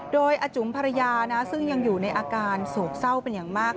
โดยอาจุ๋มภรรยาซึ่งยังอยู่ในอาการโศกเศร้าเป็นอย่างมาก